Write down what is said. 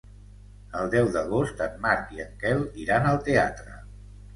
El deu d'agost en Marc i en Quel iran al teatre.